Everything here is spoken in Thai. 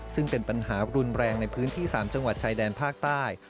ซึ่งเป็นปัญหารุนแรงในพื้นที่๓จังหวัดชายแดนภาคใต้